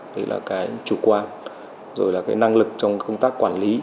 đấy là cái chủ quan rồi là cái năng lực trong công tác quản lý